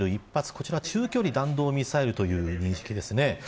こちら中距離弾道ミサイルという認識ですね。